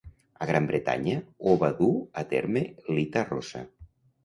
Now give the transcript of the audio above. A Gran Bretanya ho va dur a terme Lita Roza.